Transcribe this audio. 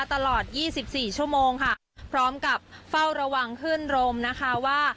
ตลอดยี่สิบสี่ชั่วโมงค่ะพร้อมกับเฝ้าระวังขึ้นลมนะคะว่า